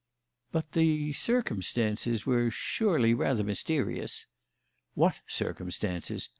"But the circumstances were surely rather mysterious." "What circumstances?"